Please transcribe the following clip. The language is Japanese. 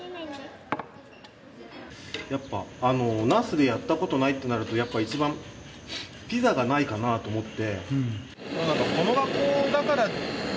やっぱナスでやったことないとなると一番ピザがないかなと思って。